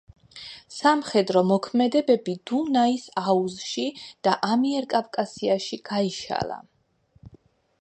სამხედრო მოქმედებები დუნაის აუზში და ამიერკავკასიაში გაიშალა.